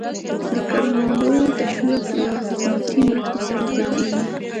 د کروندګرو تشویق له حکومتي مرستو سره زیاتېږي.